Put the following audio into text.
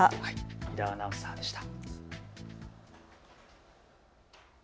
井田アナウンサーでした。